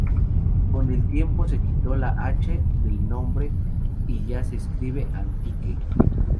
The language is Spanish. Con el tiempo, se quitó la "h" del nombre y ya se escribe "Antique".